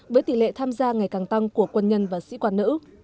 với tỷ lệ tham gia ngày càng tăng của quân nhân và sĩ quan nữ